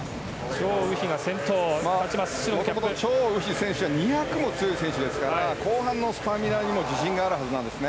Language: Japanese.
チョウ・ウヒ選手は２００も強い選手ですから後半のスタミナにも自信があるはずなんですね。